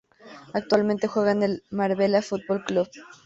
Actualmente juega en el Marbella Fútbol Club.